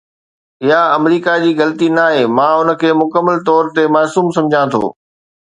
اها آمريڪا جي غلطي ناهي، مان ان کي مڪمل طور تي معصوم سمجهان ٿو